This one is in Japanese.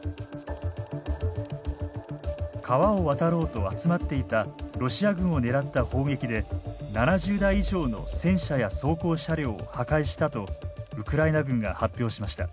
川を渡ろうと集まっていたロシア軍を狙った砲撃で７０台以上の戦車や装甲車両を破壊したとウクライナ軍が発表しました。